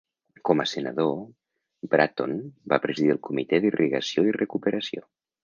Com a senador, Bratton va presidir el Comitè d'Irrigació i Recuperació.